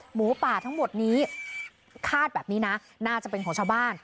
หมูป่าทั้งหมดนี้คาดแบบนี้นะน่าจะเป็นของชาวบ้าน